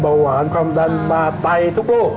เบาหวานความดันมาไตทุกโรค